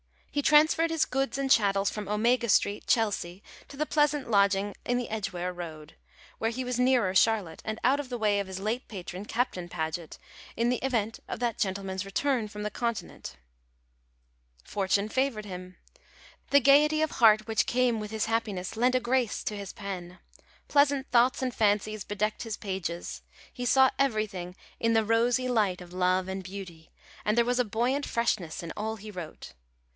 He transferred his goods and chattels from Omega Street, Chelsea, to the pleasant lodging in the Edgware Road, where he was nearer Charlotte, and out of the way of his late patron Captain Paget, in the event of that gentleman's return from the Continent. Fortune favoured him. The gaiety of heart which came with his happiness lent a grace to his pen. Pleasant thoughts and fancies bedecked his pages. He saw everything in the rosy light of love and beauty, and there was a buoyant freshness in all he wrote.